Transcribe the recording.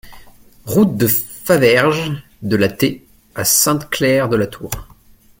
Route de Faverges de la T à Saint-Clair-de-la-Tour